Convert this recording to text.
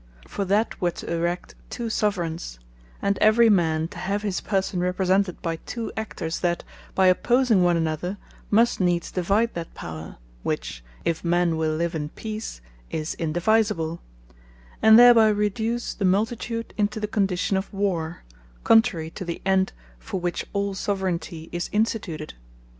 For that were to erect two Soveraigns; and every man to have his person represented by two Actors, that by opposing one another, must needs divide that Power, which (if men will live in Peace) is indivisible, and thereby reduce the Multitude into the condition of Warre, contrary to the end for which all Soveraignty is instituted.